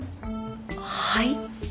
はい？